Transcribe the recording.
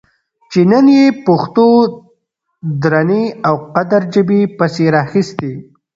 چې نن یې پښتو درنې او د قدر ژبې پسې راخیستې